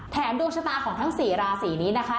ดวงชะตาของทั้ง๔ราศีนี้นะคะ